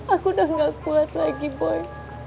aku udah gak kuat lagi boy